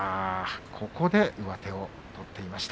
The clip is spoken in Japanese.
ここで上手を取っていました